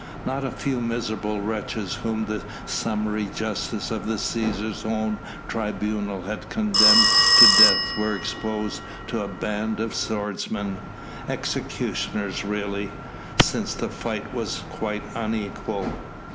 Not a few miserable wretches whom the summary justice of the Cæsar's own tribunal had condemned to death were exposed to a band of swordsmen executioners really, since the fight was quite unequal.